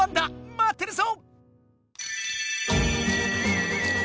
まってるぞ！